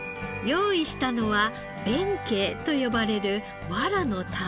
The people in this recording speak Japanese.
用意したのは「弁慶」と呼ばれるワラの束。